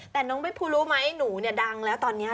แต่น้องใบภูรู้ไหมหนูเนี่ยดังแล้วตอนนี้